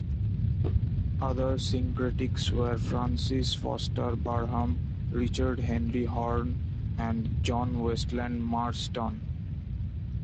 Other Syncretics were Francis Foster Barham, Richard Henry Horne, and John Westland Marston.